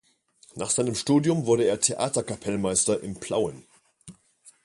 Nach seinem Studium wurde er Theaterkapellmeister in Plauen.